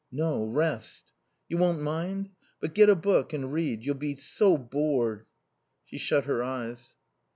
"No. Rest." "You won't mind?... But get a book and read. You'll be so bored." She shut her eyes.